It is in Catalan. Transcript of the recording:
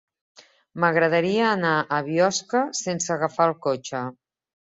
M'agradaria anar a Biosca sense agafar el cotxe.